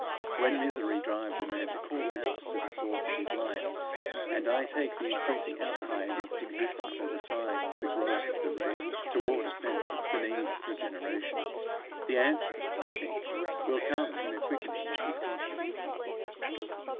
When misery drives a man to call out to the source of his life, and I take the increasing outcry against existence as a sign of the growth of the race toward a sense of the need of regeneration the answer, I think, will come in a quickening of his conscience.